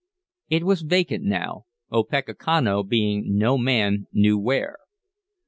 It was vacant now, Opechancanough being no man knew where.